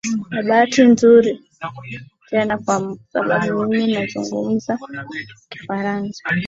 na bahati mzuri tena kwa sababu mimi nazungumza kifaransa